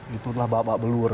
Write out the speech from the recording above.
itulah bapak belur